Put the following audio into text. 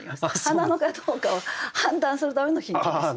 「花野」かどうかを判断するためのヒントです。